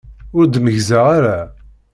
Ur d-meyyzeɣ ara.